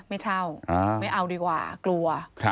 ไม่เช่าไม่เอาดีกว่ากลัว